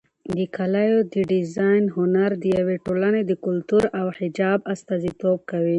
د کالیو د ډیزاین هنر د یوې ټولنې د کلتور او حجاب استازیتوب کوي.